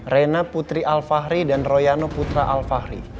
rena putri alfahri dan royano putra alfahri